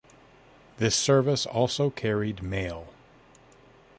This service also carried mail.